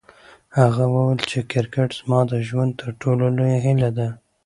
هغه وویل چې کرکټ زما د ژوند تر ټولو لویه هیله ده.